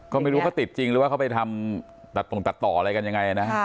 ก็ไม่รู้เขาติดจริงหรือว่าเขาไปทำตัดตรงตัดต่ออะไรกันยังไงนะ